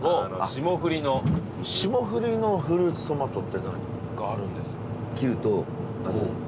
霜降りのフルーツトマトって何？があるんですよ。